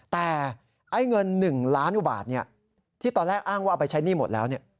แต่เงิน๑ล้านกว่าบาทที่ตอนแรกอ้างว่าเอาไปใช้หนี้หมดแล้ว